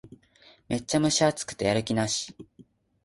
めっちゃ蒸し暑くてやる気なし